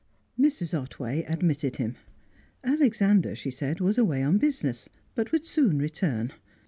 Mrs. Otway admitted him; Alexander, she said, was away on business, but would soon return.